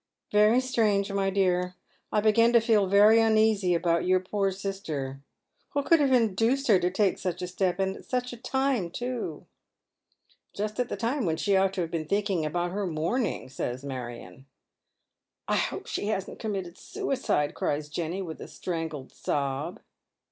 "Very strange, my dear. I begin to feel very uneasy about your poor sister. What could have induced her to take such a step ? At such a time, too !" "Just at the time when she ought to have been thinking about her mourning," says Marion. "I hope she hasn't committed suicide," cries Jenny, with a strangled sob.